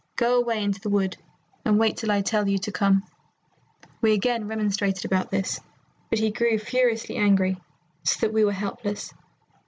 Go away into the wood and wait till I tell you to come.' "We again remonstrated about this, but he grew furiously angry, so that we were helpless.